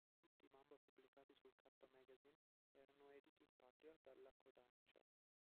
Tutti i manga pubblicati su "Kappa Magazine" erano editi in patria dalla Kōdansha.